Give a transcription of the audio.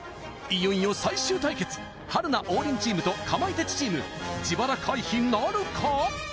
いよいよ最終対決春菜・王林チームとかまいたちチーム自腹回避なるか？